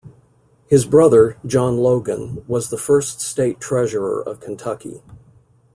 His brother, John Logan, was the first state treasurer of Kentucky.